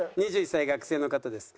２１歳学生の方です。